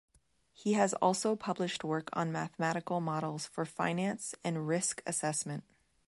He has also published work on mathematical models for finance and risk assessment.